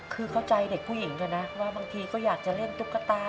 คือเข้าใจเด็กผู้หญิงนะว่าบางทีก็อยากจะเล่นตุ๊กตา